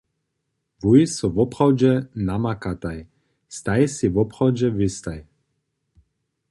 Wój so woprawdźe namakataj, staj sej woprawdźe wěstaj?